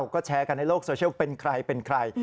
ก็แชร์กันในโลกโซเชียลเป็นใครเป็นใคร